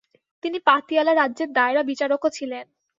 তিনি পাতিয়ালা রাজ্যের দায়রা বিচারকও ছিলেন।